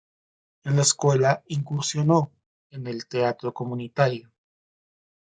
En la escuela incursionó en el teatro comunitario.